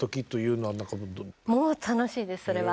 もう楽しいですそれは。